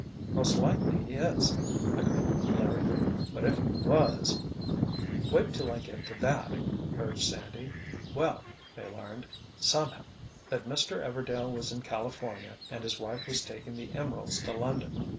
"Most likely he is," agreed Larry. "But if he was——" "Wait till I get to that," urged Sandy. "Well, they learned, somehow, that Mr. Everdail was in California and his wife was taking the emeralds to London.